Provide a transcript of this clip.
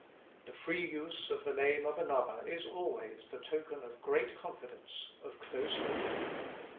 The free use of the name of another is always the token of great confidence, of close union.